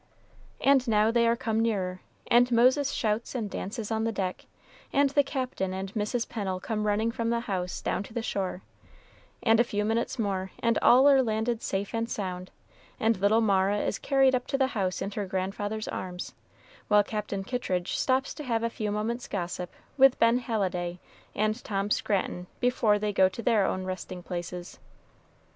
And now they are come nearer, and Moses shouts and dances on the deck, and the Captain and Mrs. Pennel come running from the house down to the shore, and a few minutes more, and all are landed safe and sound, and little Mara is carried up to the house in her grandfather's arms, while Captain Kittridge stops to have a few moments' gossip with Ben Halliday and Tom Scranton before they go to their own resting places.